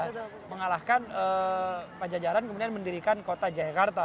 jadi mengalahkan pajajaran kemudian mendirikan kota jakarta